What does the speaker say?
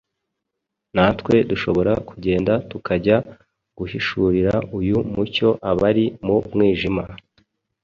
natwe dushobora kugenda tukajya guhishurira uyu mucyo abari mu mwijima.